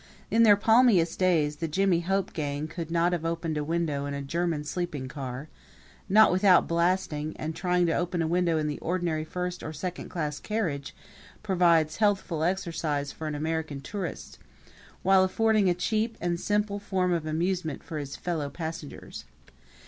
In their palmiest days the Jimmy Hope gang could not have opened a window in a German sleeping car not without blasting; and trying to open a window in the ordinary first or second class carriage provides healthful exercise for an American tourist, while affording a cheap and simple form of amusement for his fellow passengers.